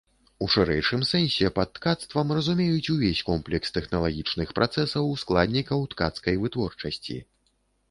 У шырэйшым сэнсе пад ткацтвам разумеюць увесь комплекс тэхналагічных працэсаў, складнікаў ткацкай вытворчасці.